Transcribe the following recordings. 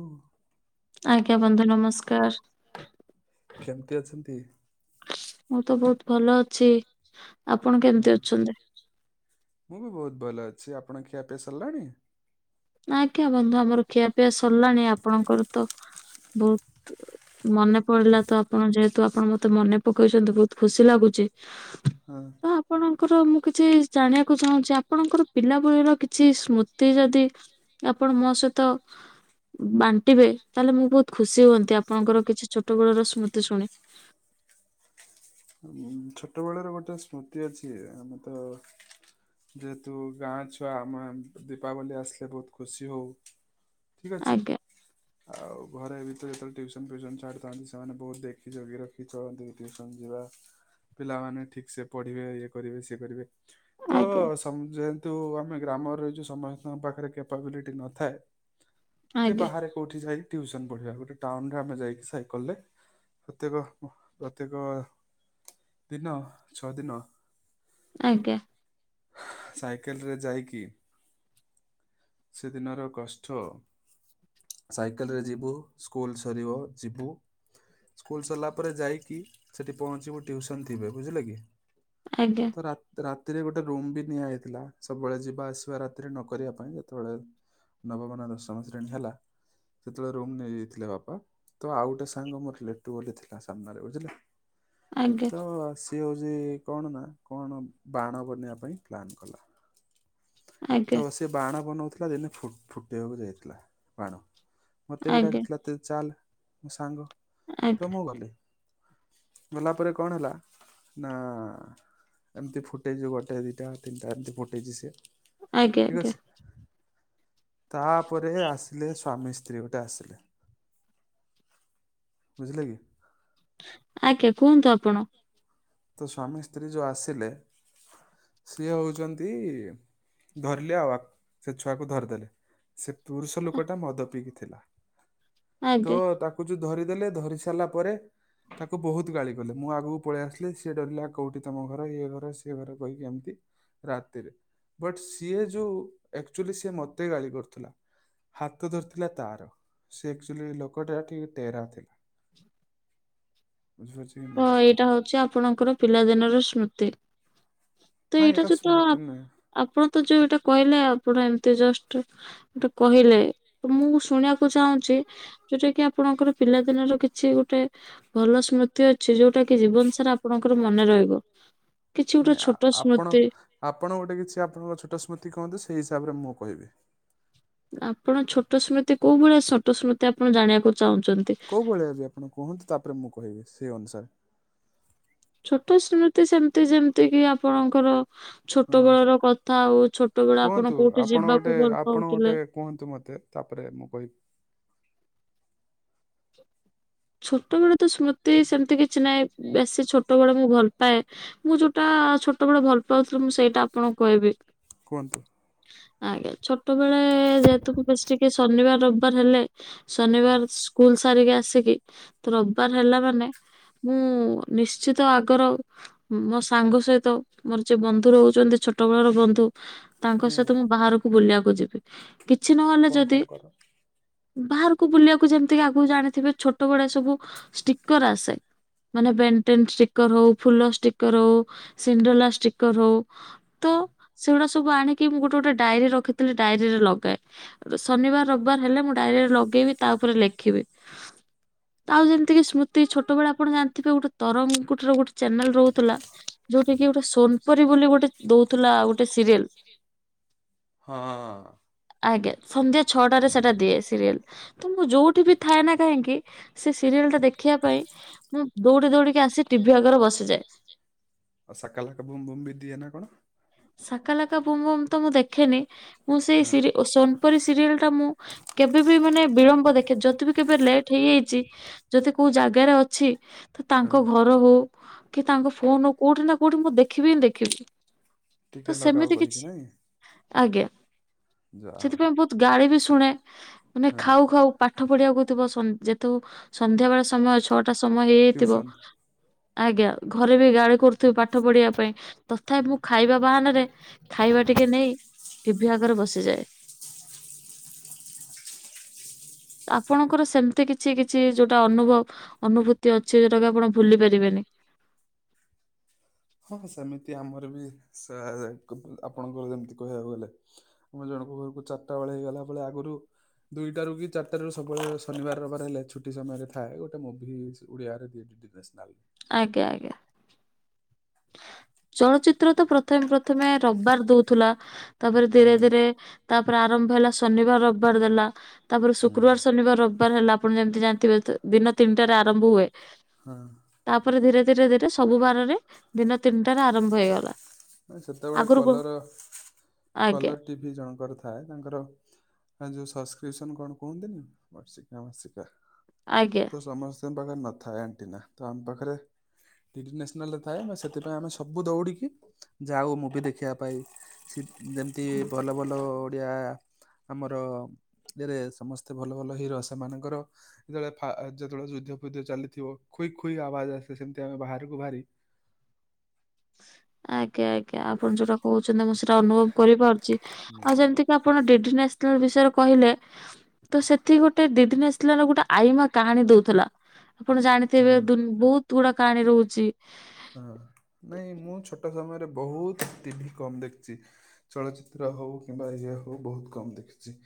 ଓ, ଆଜ୍ଞା ବନ୍ଧୁ ନମସ୍କାର। କେମତି ଅଛନ୍ତି? ମୁଁ ତ ବହୁତ ଭଲ ଅଛି ଆପଣ ହଁ କେମିତି ଅଛନ୍ତି? ମୁଁ ବି ବହୁତ ଭଲ ଅଛି ଆପଣ ଖିଆ ପି ସାରିଲାଣି? ଆଜ୍ଞା ବନ୍ଧୁ ଆମର ଖିଆ ପିଆ ସରିଲାଣି ଆପଣଙ୍କର ତ ବହୁତ ମନେ ପଡିଲା ତ ଆପଣ ଯେହେତୁ ଆପଣ ମତେ ମନେ ପକେଇଛନ୍ତି ବହୁତ ଖୁସି ଲାଗୁଛି। ହଁ। ତ ଆପଣଙ୍କର ମୁଁ କିଛି ଜାଣିବାକୁ ଚାହୁଁଛି ଆପଣଙ୍କର ପିଲା ଭଳିର କିଛି ସ୍ମୃତି ଯଦି ଆପଣ ମୋ ସହିତ ବାଣ୍ଟିବେ ତାହେଲେ ମୁଁ ବହୁତ ଖୁସି ହୁଅନ୍ତି ଆପଣଙ୍କର କିଛି ଛୋଟ ବେଳର ସ୍ମୃତି ଶୁଣି ଛୋଟବେେଳ ର ଗୋଟେ ସ୍ମୃତି ଅଛି ଆମେ ତ ଯେହେତୁ ଗାଁ ଛୁଆ ଆମ ଦୀପାବଳି ଆସିଲେ ବହୁତ ଖୁସି ହଉ। ଠିକ ଅଛି। ଆଜ୍ଞା ଆଉ ଘରେ ବି ତ ଯେତେବେଳେ ଟିଉସନ ଫ୍ୟୁଉସନ ଛାଡ଼ିଥାନ୍ତି ସେମାନେ ବହୁତ ଦେଖି ଜଗି ରଖିନ୍ତି ଟିଉସନ ଯିବା। ପିଲାମାନେ ଠିକ ସେ ପଢିବେ ଇଏ କରିବେ ସିଏ କରିବେ ତ ଆଜ୍ଞା ଯେହେତୁ ଆମେ ଗ୍ରାମ ରହିଛୁ ସମସ୍ତଙ୍କ ପାଖରେ କ୍ୟାପାବିଲିଟି ନଥାଏ। ଯେ ଆଜ୍ଞା ବାହାରେ କୋଉଠି ଯାଇ ଟ୍ୟୁସନ ପଢିବା ଗୋଟେ ଟାଉନରେ ଆମେ ଯାଇକି ସାଇକେଲ ରେ ପ୍ରତ୍ୟେକ ପ୍ରତ୍ୟେକ ଦିନ ଛଅ ଦିନ ଆଜ୍ଞା। ସାଇକେଲରେ ଯାଇକି ସେଦିନର କଷ୍ଟ ସାଇକେଲ ରେ ଯିବୁ ସ୍କୁଲ ସରିବ ଯିବୁ। ସ୍କୁଲ ସରିଲା ପରେ ଯାଇକି ସେଠି ପହଞ୍ଚିବୁ ଟିୁସନ ଥିବେ ବୁଝିଲେ କି? ଆଜ୍ଞା। ତ ରାତିରେ ଗୋଟେ ରୁମ୍ ବି ନିଆଯାଇଥିଲା ସବୁବେଳେ ଯିବା ଆସିବା ରାତିରେ ନ କରିବା ପାଇଁ ଯେତେବେଳେ ନବମନା ଦଶମ ଶ୍ରେଣୀ ହେଲା ସେତେବେଳେ ରୁମ୍ ନେଇଯାଇଥିଲେ ବାପା ତ ଆଉ ଗୋଟେ ସାଙ୍ଗ ମୋ ଲିଟୁଭ ବୋଲି ଥିଲା ସାମ୍ନାରେ ବୁଝିଲେ। ଆଜ୍ଞା ତ ସିଏ ହଉଛି କଣ ନା କଣ ବାଣ ବନେଇବା ପାଇଁ ପ୍ଲାନ୍ କଲା। ତ ଆଜ୍ଞା ସେ ବାଣ ବନଉଥିଲା ଦିନେ ଫୁଟେଇବାକୁ ଯାଇଥିଲା ବାଣ ମୋତେ ଆଜ୍ଞା ବିଡାକି ଥିଲାେ ଚାଲ ମୋ ସାଙ୍ଗ ଆଜ୍ଞା ଆଜ୍ଞା ତ ମୁଁ ଗଲି। ଗଲା ପରେ କଣ ହେଲା ନା ଏମିତି ଫୁଟେଜେ ଗୋଟେ ଦୁଇଟା ତିନିଟା ଏମତି ଫଟେଜି ସେ। ଆଜ୍ଞା ଆଜ୍ଞା। ତାପରେ ଆସିଲେ ସ୍ୱାମୀ ସୀ ସ୍ତ୍ରୀ ଗୋଟେ ଆସିଲେ ବୁଝିଲେ କି? ଆଜ୍ଞା କୁହନ୍ତୁ ଆପଣ। ତ ସ୍ଵାମୀ ସ୍ତ୍ରୀ ଯୋଉ ଆସିଲେ ସିଏ ହଉଛନ୍ତି। ଧରିଲେ ଆଉ ସେ ଛୁଆକୁ ଧରିଦେଲେ ସେ ପୁରୁଷ ଆ ଲୋକ ଟା ମଦ ପିଇକି ଥିଲା ତ ଆଜ୍ଞା ତାକୁ ଯୋଉ ଧରିଦେଲେ ଧରି ସାରିଲା ପରେ ତାକୁ ବହୁତ ଗାଳି କଲେ ମୁଁ ଆଗକୁ ପଳେଇ ଆସିଲି। ସିଏ ଡରିଲା କୋଉଠି ତମ ଘର ଘର ସିଏ ଘର କହିକି ଏମିତି ରାତିରେ ବଟ ସିଏ ଯୋଉ ଆକ୍ଚୁଆଲି ସିଏ ମତେ ଗାଳି କରୁଥିଲା। ହାତ ଧରିଥିଲା ତାର ସେ ଆକ୍ଚୁଲି ଲୋକଟା ଟିକେ ଟେରା ଥିଲା। ବୁଝିହଉଛି। ହ ଏଇଟା ହଉଛି ଆପଣଙ୍କର ପିଲାଦିନର ସ୍ମୃତି। ତ ନାଇଁ ଏଇଟା ଯୋଉ ତ ସ୍ମୃତି ନୁହେଁ ଆପଣ ତ ଯୋଉ ଏଇଟା କହିଲେ ଆପଣ ଏମତି ଜଷ୍ଟ ଗୋଟେ କହିଲେ ତ ମୁଁ ଶୁଣିବାକୁ ଚାହୁଁଛି ଯୋଉଟା କି ଆପଣଙ୍କର ପିଲାଦିନର କିଛି ଗୋଟେ ଭଲ ସ୍ମୃ ତି ଅଛି ଯୋଉଟା କି ଜୀବନ ସାରା ଆପଣଙ୍କର ମନେ ରହିବ କିଛି ନାଇଁ ଗୋଟେ ଆ- ଛୋଟ ଆପଣ ସ୍ମୃତି। ଆପଣ ଗୋଟେ କିଛି ଆପଣଙ୍କ ଛୋଟ ସ୍ମୃତି କୁହନ୍ତି ସେଇ ହିସାବରେ ମୁଁ କହିବି। ଆପଣ ଛୋଟ ସ୍ମୃତି କୋଉ ଭଳିଆ ଛୋଟ ସ୍ମୃତି ଆପଣ ଜାଣିବାକୁ ଚାହୁଁଛନ୍ତି? କୋଉ ଭଳିଆ ଆଜି ଆପଣ କୁହନ୍ତୁ ତାପରେ ମୁଁ କହିବି ସେଇ ଅନୁସାରେ ଛୋଟ ସ୍ମୃତି ସେମିତି ଯେମିତି କି ଆପଣଙ୍କର ଛୋଟ ହଁ ବେଳର କଥା ଆଉ ଛୋଟ ବେଳ ଆପଣ କୁହନ୍ତୁ କୋଉଠି ଆପଣ ଗୋଟେ ଯିବାକୁ ଭଲ ଆପଣ ଗୋଟେ ପାଉଥିଲେ। କୁହନ୍ତୁ ମତେ ତାପରେ ମୁଁ କହିି ଛୋଟ ବେଳେ ତ ସ୍ମୃତି ସେମିତି କିଛି ନାହିଁ ବେଶୀ ଛୋ ଛୋଟବେଳେ ମୁଁ ଭଲ ପାଏ ମୁଁ ଯୋଉଟା ଛୋଟବେଳେ ଭଲ ପାଉଥିଲି ମୁଁ ସେଇଟା ଆପଣଙ୍କୁ କହିବି? କୁହନ୍ତୁ? ଆଜ୍ଞା ଛୋଟ ବେଳେ ଯେହେତୁକୁ ବେଶୀ ଟିକେ ଶନିବାର ରବିବାର ହେଲେ। ଶନିବାର ସ୍କୁଲ ସାରିକି ଆସିକି ରବିବାର ହେଲା ମାନେ ମୁଁ ନିଶ୍ଚିତ ଆଗର ମୋ ସାଙ୍ଗ ସହିତ ମୋର ଯେ ବନ୍ଧୁ ରହୁଛନ୍ତି ଛୋଟ ବେଳର ବନ୍ଧୁ ତାଙ୍କ ହୁଁ ସହିତ ମୁଁ ବାହାରକୁ ବୁଲିବାକୁ ଯିବି କିଛି ନହେଲେ କଣ ଯଦି କଣ କର? ବାହାରକୁ ବୁଲିବାକୁ ଯେମିତିକ ଆଗକୁ ଜାଣିଥିବେ ଛୋଟ ବେଳେ ସବୁ ଷ୍ଟିକର ଆସେ। ମାନେ ବେଣ୍ଟେନ ଷ୍ଟିକର ହଉ ଫୁଲ ଷ୍ଟିକର ହଉ ସିଣ୍ଡଲା ଷ୍ଟିକର ହଉ। ତ ସେଗୁଡା ସବୁ ଆଣିକି ମୁଁ ଗୋଟେ ଗୋଟେ ଡାଇରୀ ରଖିଥିଲି ଡାଇରୀରେ ଲଗାଏ ଶନିବାର ରବିବାର ହେଲେ ମୁ ତାରରେ ଲଗେଇବି ତା ଉପରେ ଲେଖିବି। ଆଉ ଯେମିତି କିି ସ୍ମୃତି ଛୋଟବେଳେ ଆପଣ ଜାଣିଥିବେ ଗୋଟେ ତରଙ୍ଗର ଗୋଟେ ଚ୍ୟାନେଲ ରହୁଥିଲା। ଯୋଉଟାକିି ଗୋଟେ ସୋନପୁରୀ ବୋଲି ଗୋଟେ ଦଉଥିଲା ଗୋଟେ ସିରିଏଲ। ହଁ। ଆଜ୍ଞା ସନ୍ଧ୍ୟା ଛଅଟାରେ ସେଟା ଦିଏ ସିରିଏଲ ତମକୁ ଯୋଉଠି ବି ଥାଏ ନା କାହିଁକି? ସେ ସିରିଏଲଟା ଦେଖିବା ପାଇଁ ମୁଁ ଦୌଡି ଦୌଡିକି ଆସି ଟିଭିି ଆଗରେ ବସିଯାଏ ଆଉ ସାକା ଲାକା ବୁମ୍ ବୁମ୍ ବି ଦିଏ ନା କଣ? ସାକା ଲାକା ବୁମ୍ ବୁମ୍ ତ ମୁଁ ଦେଖେନି ମୁଁ ସେଇ ହଁ। ସିରିଏଲ୍ ଓ ସନ ପରି ସିରିଏଲ ଟା ମୁଁ କେବେ ବି ମାନେ ବିଳମ୍ବ ଦେଖେ ଯଦି ବି କେବେ ଲେଟ୍ ହେଇଯାଇଛି ଯଦି କୋଉ ଜାଗାରେ ଅଛି। ତ ହଁ ତାଙ୍କ ଘର ହଉ କି ତାଙ୍କ ଫୋନ ହଉ କୋଉଠି ନା କୋଉଠି ମୁଁ ଦେଖିବି ହିଁ ଦେଖିବି। ତ ଟିକେ ଲଗାଅ ସେମିତି କିଛି କରିକି ନାଇଁ ଆଜ୍ଞା ଯାହା ହଉ ସେଥିପାଇଁ ବହୁତ ଗାଳି ବି ଶୁଣେ। ମାନେ ହଁ ଖାଉ ଖାଉ ପାଠ ପଢିବାକୁ ଥିବ ଯେହେତୁ ସନ୍ଧ୍ୟା ବେଳ ସମୟ ଛଅଟା ସମୟ ହେଇଯାଇଥିବ। ଟ୍ୟୁସନ ଆଜ୍ଞା ଘରେ ବି ଗାଳି କରୁଥିବେ ପାଠ ପଢିବା ପାଇଁ ତଥାପି ମୁଁ ଖାଇବା ବାହାନାରେ ଖାଇବା ଟିକେ ନେଇ ଟିଭି ଆଗରେ ବସିଯାଏ। ଆପଣଙ୍କର ସେମିତି କିଛି କିଛି କିଛି ଯୋଉଟା ଅନୁଭବ ଅନୁଭୂତି ଅଛି ଯୋଉଟା କି ଆପଣ ଭୁଲି ପାରିବେନି। ହଁ ସେମିତି ଆମର ବି ସେ ଆପଣଙ୍କର ଯେମିତି କହିବାକୁ ଗଲେ। ମୁଁ ଜଣଙ୍କ ଘରକୁ ଚାରିଟା ବେଳେ ଗଲା ବେଳେ ଆଗରୁ ଦୁଇଟାରୁ କି ଚାରିଟାରୁ ସବୁବେଳେ ଶନିବାର ରବିବାର ହେଲେ ଛୁଟି ସମୟରେ ଥାଏ ଗୋଟେ ମୁଭି ଓଡିଆରେ ଡିଡି। D national. ଆଜ୍ଞା ଆଜ୍ଞା। ଚଳଚିତ୍ର ତ ପ୍ରଥମେ ପ୍ରଥମେ ରବିବାର ଦଉଥିଲା। ତାପରେ ହଁ ଧୀରେ ଧୀରେ ତାପରେ ଆରମ୍ଭ ହେଲା ଶନିବାର ରବିବାର ଦେଲା। ତାପରେ ହୁଁ। ଶୁକ୍ରବାର ଶନିବାର ରବିବାର ହେଲା ଆପଣ ଯେମିତି ଜାଣିଥିବେ ଦିନ ତିନିଟାରେ ଆରମ୍ଭ ହୁଏ। ହଁ। ତାପରେ ଧୀରେ ଧୀରେ ଧୀରେ ସବୁ ବାରରେ ଦିନ ତିନିଟାରେ ଆରମ୍ଭ ହେଇଗଲା। ସେତେବେଳେ ଆଗରୁ କ କଲର ଆଜ୍ଞା କଲର ଟିଭି ଜଣଙ୍କର ଥାଏ ତାଙ୍କର ହଁ ଯୋଉ ସସ୍କ୍ରିସନ କଣ କୁହନ୍ତିନି ବର୍ଷିକିଆ ମାସିକିଆ। ଆଜ୍ଞା। ତ ସମସ୍ତଙ୍କ ପାଖରେ ନଥାଏ ଆଣ୍ଟିନା ତ ଆମ ପାଖରେ ଡି ଡି ନ୍ୟାସନାଲ ରେ ଥାଏ ବା ସେଥିପାଇଁ ଆମେ ସବୁ ଦୌଡିକି ଯାଉ ମୁଭି ଦେଖିବା ପାଇଁ ସିଦି ଯେମିତି ଭଲ ଭଲ ଓଡ଼ିଆ ଆମର ଧିରେ ସମସ୍ତେ ଭଲ ଭଲ ହିରୋ ସେମାନଙ୍କର ଯେତେବେଳେ ଫା ଯେତେବେଳେ ଯୁଦ୍ଧ ଫୁଦ୍ଧ ଚାଲିଥିବ ଖୁଇ ଖୁଇ ଆବାଜ ଆସେ ସେମିତି ଆମେ ବାହାରକୁ ବାହାରି ଆଜ୍ଞା ଆଜ୍ଞା ଆପଣ ଯୋଉଟା କହୁଚନ୍ତି ମୁଁ ସେଇଟା ଅନୁଭବ କରିପାରୁଛି। ହୁଁ। ଆଉ ଯେମିତି ଆପଣ ଡିଡି ନ୍ୟସନାଲ ବିଷୟରେ କହିଲେ। ତ ସେଠି ଗୋଟେ ଡିଡି ନ୍ୟସନାଲର ଗୋଟେ ଆଇମାକ କାହାଣୀ ଦଉଥିଲା। ଆପଣ ଜାଣିଥିବେ ହଁ। ଦୁବହୁତ ଗୁଡା କାହାଣୀ ରହୁଚି। ହଁ ନାଇଁ ମୁଁ ଛୋଟ ସମୟରେ ବହୁତ ଟିଭି କମ ଦେଖି ଚି। ଚଳଚିତ୍ର ହଉ କିମ୍ବା ଇଏ ହଉ ବହୁତ କମ୍ ଦେଖିଚି।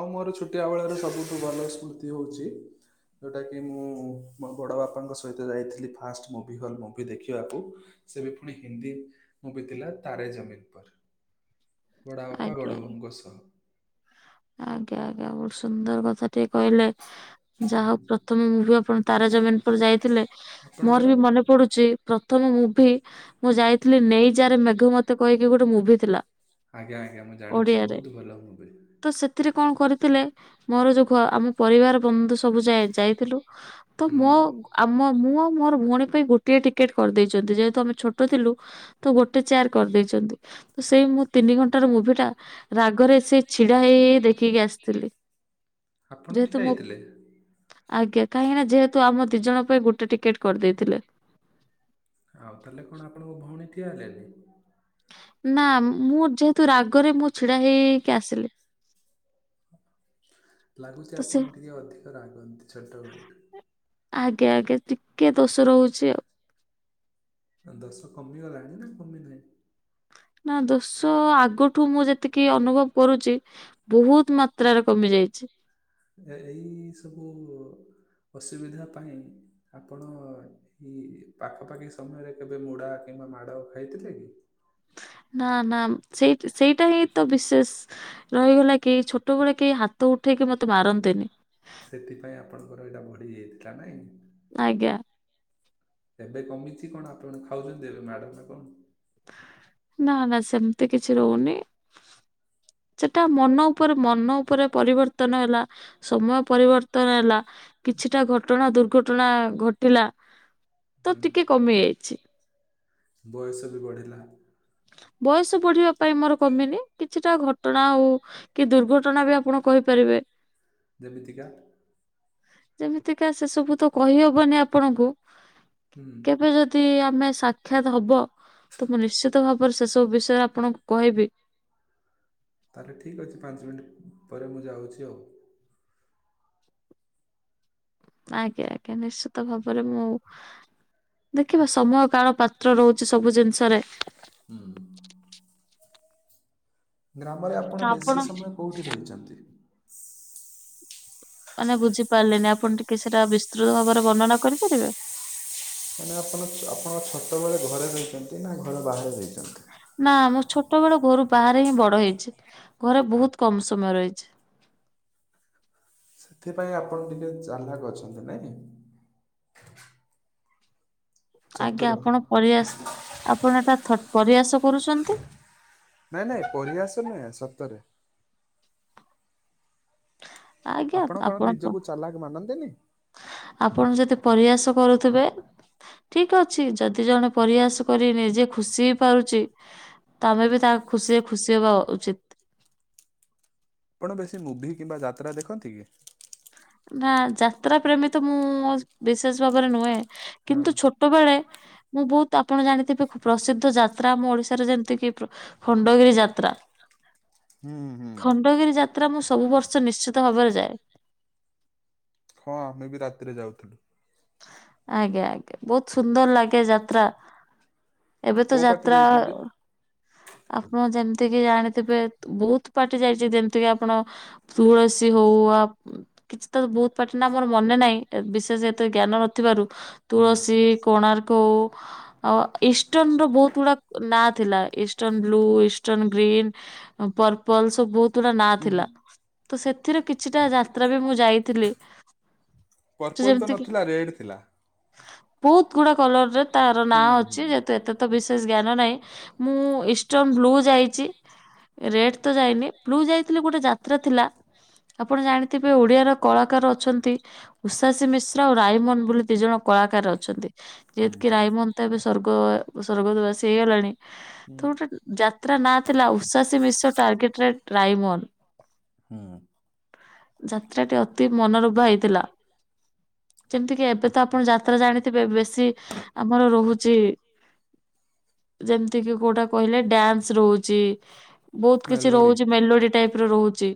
ଆଉ ମୋର ଛୋଟିଆ ବେଳର ସବୁଠୁ ଭଲ ସ୍ମୃତି ହଉଚି। ଯେଉଁଟାକି ମୁଁ ମୋ ବଡ଼ ବାପାଙ୍କ ସହିତ ଯାଇଥିଲି ଫାଷ୍ଟ ମୁଭି କଲ୍ ମୁଁ। ବିଦେଖିବାକୁ ସେ ବି ପୁଣି ହିନ୍ଦୀ ମୁଭି ଥିଲା ତାରେ ଜମିିନ୍‌ ପର୍। ବଡ଼ବାପା ଆଜ୍ଞା। ବଡ଼ବୋଉଙ୍କ ସହ। ଆଜ୍ଞା ଆଜ୍ଞା ବହୁତ ସୁନ୍ଦର କଥା ଟିଏ କହିଲେ। ହୁଁ ଯାହା ହଉ ପ୍ରଥମେ ମୁଭି ଆପଣ ତାରା ଜମିିନ ପର୍ ଯାଇଥିଲେ। ଆପଣଙ୍କର? ମୋର ବି ମନେ ପଡୁଚି ପ୍ରଥମ ମୁଭି ମୁଁ ଯାଇଥିଲି ନେଇ ଯାରେ ମେଘ ମତେ କହିକି ଗୋଟେ ମୁଭି ଥିଲା। ଆଜ୍ଞା ଆଜ୍ଞା ମୁଁ ଜାଣିଛି ଓଡିଆରେ। ବହୁତ ଭଲ ମୁଭି। ତ ସେଥିରେ କଣ କରିଥିଲେ ମୋର ଯୋଉ ଘ ଆମ ପରିବାର ବନ୍ଧୁ ସବୁ ଯାଇ ଯାଇଥିଲୁ। ତ ହୁଁ ମୋ ଆମ ମୁଁ ଆଉ ମୋର ଭଉଣୀ ପାଇଁ ଗୋଟିଏ ଟିକେଟ କରିଦେଇଚନ୍ତି ଯେହେତୁ ଆମେ ଛୋଟ ଥିଲୁ। ତ ଗୋଟେ ଚେୟାର କରିଦେଇଚନ୍ତି। ସେଇ ମୁଁ ତିନି ଘଣ୍ଟାର ମୁଭିଟା ରାଗ ଘରେ ସେ ଛିଡା ହେଇ ଦେଖିକି ଆସିଥିଲି। ଆପଣ ଯେହେତୁ ଠିଆ ମୁଁ ହେଇଥିଲେ ଆଜ୍ଞା କାହିଁକି ନା ଯେହେତୁ ଆମ ଦି ଜଣ ପାଇଁ ଗୋଟେ ଟିକେଟେ କରିଦେଇଥିଲେ। ଆଉ ତାହେଲେ କଣ ଆପଣଙ୍କ ଭଉଣୀ ଠିଆ ହେଲେନି? ନା ମୁଁ ଯେହେତୁ ରାଗରେ ମୁଁ ଛିଡା ହେଇହେଇକି ଆସିଲି। ଲାଗୁଛି ତ ସେ ଆପଣ ଟିକେ ଅଧିକ ରାଗନ୍ତି ଛୋଟବେଳଠୁ। ଆଜ୍ଞା ଆଜ୍ଞା ଟିକେ ଦୋଷ ରହୁଚି ଆଉ। ଦେଶ କମିଗଲାଣି ନା କମି ନାହିଁ। ନା ଦୋଷ ଆଗଠୁ ମୁଁ ଯେତିକି ଅନୁଭବ କରୁଚି। ବୋହୁତୁ ମାତ୍ରାରେ କମି ଯାଇଚି। ଏଇ ସବୁ ଅସୁବିଧା ପାଇଁ ଆପଣ ଏଇ ପାଖାପାଖି ସମୟରେ କେବେ ମୁଡା କିମ୍ବା ମାଡ ଖାଇଥିଲେ କି? ନା ନା ସେଇ ସେଇଟା ହିଁ ତ ବିଶେଷ ରହିଗଲା କି ଛୋଟବେଳେ କେହି ହାତ ଉଠେଇକି ମତେ ମାରନ୍ତିନି। ସେଥିପାଇଁ ଆପଣଙ୍କର ଏଇଟା ବଢି ଯାଇଥିଲା ନାଇଁ। ଆଜ୍ଞା। ଏବେ କମିଛି। କଣ ଆପଣ ଖାଉଛନ୍ତି, ଏବେ ମାଡ ନା କଣ? ନା ନା ସେମିତି କିଛି ରହୁନି। ସେଟା ମନ ଉପରେ, ମନ ଉପରେ ପରିବର୍ତ୍ତନ ହେଲା। ସମୟ ପରିବର୍ତ୍ତନ ହେଲା କିଛିଟା ଘଟଣା, ଦୁର୍ଘଟଣା ଘଟିଲା। ତ ହୁଁ ଟିକେ କମି ଯାଇଛି। ବୟସ ବି ବଢିଲା। ବୟସ ପଢିବା ପାଇଁ ମୋର କମିନି। କିଛିଟା ଘଟଣା ଆଉ କି ଦୁର୍ଘଟଣା ବି ଆପଣ କହିପାରିବେ। ଯେମିତିକା। ଯେମିତିକା ସେ ସବୁ ତ କହିହବନି ଆପଣଙ୍କୁ। ହୁଁ କେବେ ଯଦି ଯଦି ଆମେ ସାକ୍ଷାତ ହବ ତ। ମୁଁ ନିଶ୍ଚିତ ଭାବରେ ସେ ସବୁ ବିଷୟ ଆପଣଙ୍କୁ କହିବି। ତା ହେଲେ ଠିକ୍ ଅଛି। ପାଞ୍ଚ ମିନିଟ୍ ପରେ ମୁଁ ଯାଉଛି ଆଉ। ଆଜ୍ଞା ଆଜ୍ଞା। ନିଶ୍ଚିତ ଭାବରେ ମୁଁ ଦେଖିବ ସମୟ, କାଳ, ପାତ୍ର ରହୁଛି ସବୁ ଜିନିଷରେ। ହୁଁ। ଗ୍ରାମରେ ଆପଣ ବେଶି ସମୟ କୋଉଠି ରହିଚନ୍ତି। ମାନେ ବୁଝିପାରିଲିନି ଆପଣ ଟିକେ ସେଇଟା ବିସ୍ତୃତ ଭାବରେ ବର୍ଣ୍ଣନା କରିପାରିବେ। ମାନେ ଆପଣ ଆପଣଙ୍କ ଛୋଟବେଳେ ଘରେ ରହିଚନ୍ତି ନା ଘରେ ବାହାରେ ରହିଛନ୍ତି। ନା ମୋ ଛୋଟ ବେଳ ଘରୁ ବାହାରେ ହିଁ ବଡ ହେଇଚି। ଘରେ ବହୁତ କମ ସମୟ ରହିଛି। ସେଥିପାଇଁ ଆପଣ ଟିକେ ଚାଲ୍ଲାକ୍ ଅଛନ୍ତି ନାଇଁ। ଆଜ୍ଞା ଚତୁର। ଆପଣ ପରିହାସ, ଆପଣ ଏଟା ଥ-ପରିହାସ କରୁଛନ୍ତି। ନାଇଁ ନାଇଁ ପରିହାସ ନୁହେଁ, ସତରେ। ଆଜ୍ଞା ଆପଣ କଣ ପ ନିଜକୁ ଚାଲାକ୍ ମାନନ୍ତିନି। ଆପଣ ଯଦି ପରହାସ କରୁଥିବେ। ଠିକ୍ ଅଛି। ଯଦି ଜଣେ ପରିହାସ କରି ନିଜେ ଖୁସି ହେଇ ପାରୁଚି ତମେ ବି ତା ଖୁସିରେ ଖୁସି ହବା ଉଚିତ୍। ଆପଣ ବେଶି ମୁଭି କିମ୍ବା ଯାତ୍ରା ଦେଖନ୍ତି କି। ନା ଯାତ୍ରା ପ୍ରେମୀ ତ ମୁଁ ବିଶେଷ ଭାବରେ ନୁହେଁ କିନ୍ତୁ ଛୋଟ ଛୋଟ ବେଳେ ମୁଁ ବହୁତ ଆପଣ ଜାଣିଥିବେ ଖୁ-ପ୍ରସିଦ୍ଧ ଯାତ୍ରା ଆମ ଓଡିଶାରେ ଯେମିତି କିି ଖଣ୍ଡଗିରି ଯାତ୍ରା। ହୁଁ ହୁଁ ଖଣ୍ଡଗିରି ଯାତ୍ରା ମୁଁ ସବୁ ବର୍ଷ ନିଶ୍ଚିତ ଭାବରେ ଯାଏ। ହଁ ଆମେ ବି ରାତିରେ ଯାଉଥିଲୁ। ଆଜ୍ଞା ଆଜ୍ଞା ବହୁତ ସୁନ୍ଦର ଲାଗେ ଯାତ୍ରା। ଏବେ ତ କୋଉ ପାର୍ଟି ଯାତ୍ରା ଯାଇଛନ୍ତି? ଆପଣ ଯେମିତି କିି ଜାଣିଥିବେ ବହୁତ ପାର୍ଟି ଯାଇଛି। ଯେମିତି କିି ଆପଣ ତୁଳସୀ ହଉ ଆ କିଛି ତ ବହୁତ ପାର୍ଟି ନା ଆମର ମନେ ନାହିଁ। ବିଶେଷ ଏତେ ଜ୍ଞାନ ନଥିବାରୁ। ହୁଁ ତୁଳସୀ, କୋଣାର୍କ ଆଉ ଇଷ୍ଟର୍ଣ୍ଣ ର ବହୁତ ଗୁଡା ନାଁ ଥିଲା। Eastern blue, eastern green, purple ସବୁ ବହୁତ ଗୁଡା ନା ହୁଁ ଥିଲା। ହୁଁ ତ ସେଥିରେ କିଛିଟା ଯାତ୍ରା ବି ମୁଁ ଯାଇଥିଲି। ପର୍ପଲ୍ ତ ଯେମିତି କି ନଥିଲା ରେଡ୍ ଥିଲା। ବହୁତ ଗୁଡା କଲରରେ ତାର ନାଁ ହୁଁ ଅଛି। ହୁଁ। ଯେହେତୁ ଏତେ ତ ବିଶେଷ ଜ୍ଞାନ ନାହିଁ ମୁଁ ଇଷ୍ଟଣ ବ୍ଲୁ ଯାଇଛି ରେଡ ତ ଯାଇନି ବ୍ଲୁ ଯାଇଥିଲି ଗୋଟେ ଯାତ୍ରା ଥିଲା ଆପଣ ଜାଣିଥିବେ ଓଡିଆର କଳାକାର ଅଛନ୍ତି ଉଷାସି ମିଶ ଆଉ ରାଇମନ ବୋଲି ଦି ଜଣ କଳାକାର ଅଛନ୍ତି ହୁଁ ଯେହତି କିି ହୁଁ ରାଇମନ ତେ ଏବେ ସ୍ୱର୍ଗ ସ୍ୱର୍ଗଦବାସି ହେଇଗଲାଣି ହୁଁ। ତ ଗୋଟେ ଯାତ୍ରା ନାଁ ଥିଲା ଉଷାସି ମିଶ୍ର ଟାର୍ଗେଟରେ ରାଇମୋନ୍। ହୁଁ ଯାତ୍ରା ଟି ଅତି ମନୋରୂଭା ହେଇଥିଲା। ଯେମିତି କିି ଏବେ ତ ଆପଣ ଯାତ୍ରା ଜାଣିଥିବେ ବେଶୀ ଆମର ରହୁଛି ଯେମିତି କିି କୋଉଟା କହିଲେ ଡ୍ୟାନ୍ସ ରହୁଛି ବହୁତ କିଛି ମେଲୋଡି ରହୁଛି ମେଲୋଡି ଟାଇପ ରି ରହୁଛି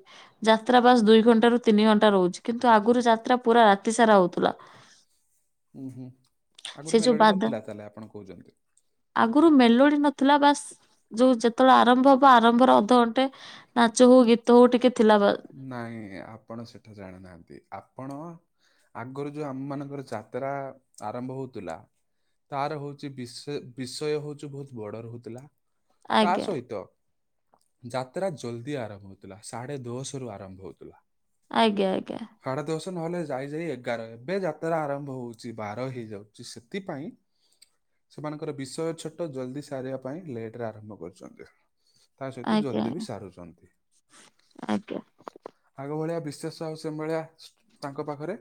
ଯାତ୍ରା ବାସ ଦୁଇ ଘଣ୍ଟା ରୁ ତିନି ଘଣ୍ଟା ରହୁଛି କିନ୍ତୁ ଆଗରୁ ଯାତ୍ରା ପୁରା ରାତି ସାରା ହଉଥ ଥିଲା ହୁଁ ହୁଁ ଆଗରୁ ଯୋଉ ମେଲୋଡ଼ି ବାଦା ନଥିଲା ତାହେଲେ ଆପଣ କହୁଛନ୍ତି। ଆଗରୁ ମେଲୋଡି ନଥିଲା ବାସ୍ ଯୋଉ ଯେତେବେଳେ ଆରମ୍ଭ ହବ ଆରମ୍ଭରେ ଅଧଘଣ୍ଟେ ନାଚ ହଉ ଗୀତ ହଉ ଟିକେ ଥିଲା ବା ନାଇଁ ଆପଣ ସେଟା ଜାଣିନାହାନ୍ତି ଆପଣ ଆଗରୁ ଯୋଉ ଆମ ମାନଙ୍କର ଯାତ୍ରା ଆରମ୍ଭ ହଉଥିଲା ତାର ହଉଛି ବିଷୟ ବିଷୟ ହଉଛି ବହୁତ ବଡ ରହୁଥିଲା। ତା ଆଜ୍ଞା ସହିତ ଯାତ୍ରା ଜଲଦି ଆରମ୍ଭ ହଉଥିଲା ସାଢେ ଦଶଶହ ସରୁ ଆରମ୍ଭ ହେଉଥିଲା ଆଜ୍ଞା ଆଜ୍ଞା ସାଢେ ଦଶ ନହେଲେ ଯାଇ ଯାଇ ଏଗାର ଏବେ ଯାତ୍ରା ଆରମ୍ଭ ହଉଛି ବାର ହେଇଯାଉଛି ସେଥିପାଇଁ ସେମାନଙ୍କର ବିଷୟ ଛୋଟ ଜଲଦି ସାରିବା ପାଇଁ ଲେଟରେ ଆରମ୍ଭ କରୁଛନ୍ତି। ତା ସହିତ ଆଜ୍ଞା ଜଲ୍ଦି ବି ସାରୁଛନ୍ତି। ଆଜ୍ଞା ଆଗ ଭଳିଆ ବିଶୋଷ ଆଉ ସେ ଭଳିଆ ତାଙ୍କ ପାଖରେ